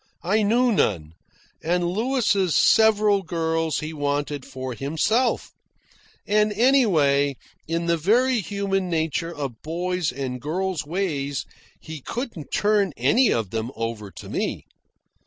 I knew none. And Louis' several girls he wanted for himself; and anyway, in the very human nature of boys' and girls' ways, he couldn't turn any of them over to me.